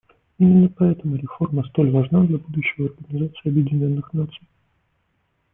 Именно поэтому реформа столь важна для будущего Организации Объединенных Наций.